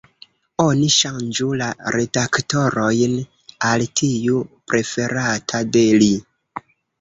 Oni ŝanĝu la redaktorojn al tiu preferata de li.